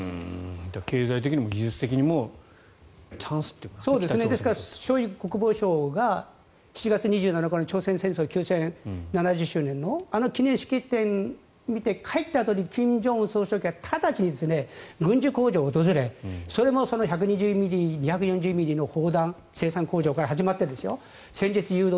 経済的にも技術的にもショイグ国防相が７月２７日に朝鮮戦争休戦７０周年のあの記念式典を見て帰ったあとに金正恩総書記は直ちに軍需工場を訪れそれも１２０ミリ、２４０ミリの砲弾生産工場から始まって戦術誘導